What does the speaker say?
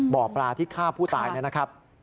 บ่อปลาที่ฆ่าผู้ตายนะครับ